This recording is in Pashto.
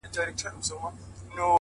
پرمختګ له کوچنیو بدلونونو راټوکېږي؛